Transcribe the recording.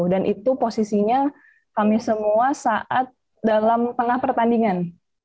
dan itu posisinya kami semua saat dalam tengah pertandingan